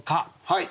はい。